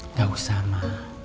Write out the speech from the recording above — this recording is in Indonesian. nggak usah ma